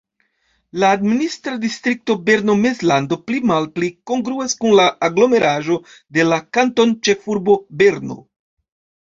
La administra distrikto Berno-Mezlando pli-malpli kongruas kun la aglomeraĵo de la kantonĉefurbo Berno.